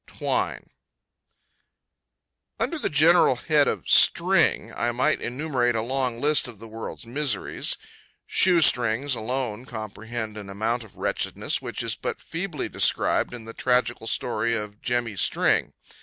Twine. Under the general head of string, I might enumerate a long list of this world's miseries. Shoe strings alone comprehend an amount of wretchedness, which is but feebly described in the tragical story of Jemmy String.